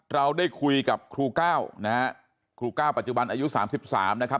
เราได้คุยกับครูก้าวนะฮะครูก้าวปัจจุบันอายุ๓๓นะครับ